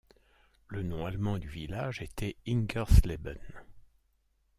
Le nom allemand du village était Ingersleben.